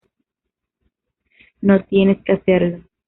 No tienes que hacerlo.